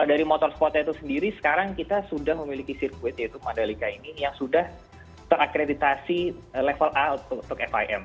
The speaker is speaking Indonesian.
dari motor squadnya itu sendiri sekarang kita sudah memiliki sirkuit yaitu mandalika ini yang sudah terakreditasi level a untuk fim